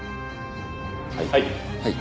はい。